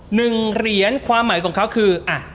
หนึ่งเหรียญความหมายของเขาคืออ่ะ